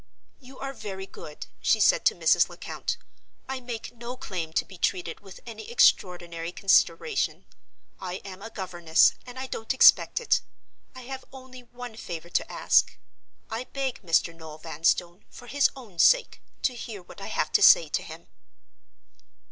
"You are very good," she said to Mrs. Lecount. "I make no claim to be treated with any extraordinary consideration. I am a governess, and I don't expect it. I have only one favor to ask. I beg Mr. Noel Vanstone, for his own sake, to hear what I have to say to him."